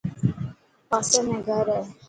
پاسي ۾ گهر هي.